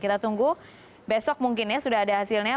kita tunggu besok mungkin ya sudah ada hasilnya